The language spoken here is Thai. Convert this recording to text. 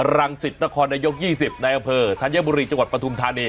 รังศิษย์ตะคอนในยก๒๐นายเผอร์ธัญบุรีจังหวัดปทุมธานี